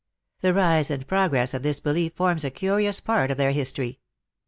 The rise and progress of this belief forms a curious part of their history.